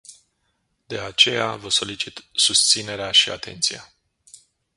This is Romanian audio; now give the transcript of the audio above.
De aceea, vă solicit susținerea și atenția.